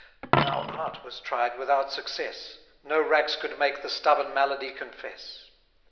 Now art was tried without success, No racks could make the stubborn malady confess.